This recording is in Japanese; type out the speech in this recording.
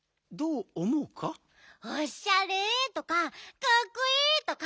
「おっしゃれ」とか「かっこいい」とか。